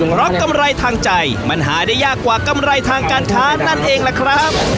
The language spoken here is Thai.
เพราะกำไรทางใจมันหาได้ยากกว่ากำไรทางการค้านั่นเองล่ะครับ